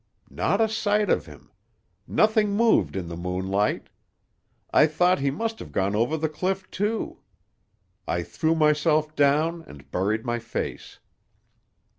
Not a sight of him! Nothing moved in the moonlight. I thought he must have gone over the cliff, too. I threw myself down and buried my face.